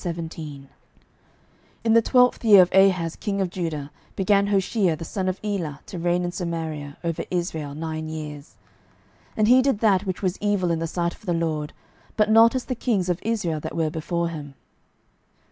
12:017:001 In the twelfth year of Ahaz king of Judah began Hoshea the son of Elah to reign in Samaria over Israel nine years. 12:017:002 And he did that which was evil in the sight of the LORD, but not as the kings of Israel that were before him.